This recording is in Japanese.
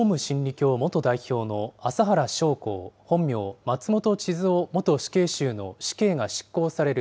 教元代表の麻原彰晃、本名・松本智津夫元死刑囚の死刑が執行される